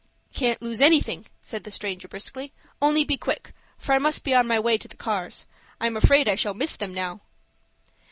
"You can't lose anything," said the stranger briskly. "Only be quick, for I must be on my way to the cars. I am afraid I shall miss them now."